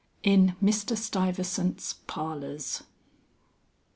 IN MR. STUYVESANT'S PARLORS.